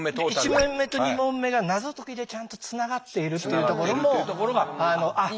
１問目と２問目が謎解きでちゃんとつながっているっていうところもあっ